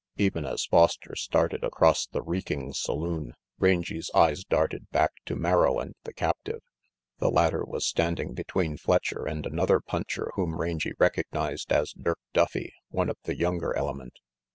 Even as Foster started across the reeking saloon, Rangy 's eyes darted back to Merrill and the captive. The latter was standing between Fletcher and another puncher whom Rangy recognized as Dirk Duffy, one of the younger element.